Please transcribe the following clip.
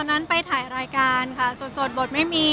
ก็ตอนนั้นไปถ่ายรายการสดสดโบร์ดไม่มี